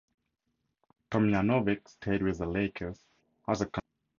Tomjanovich stayed with the Lakers as a consultant.